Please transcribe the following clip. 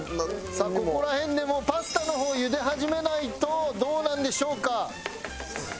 さあここら辺でもうパスタの方を茹で始めないとどうなんでしょうか？